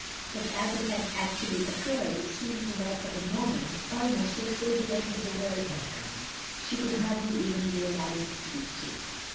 But as it had acttially occurred, it seemed to her for the moment almost as though the end of the world had come; she could hardly even realise it to be true.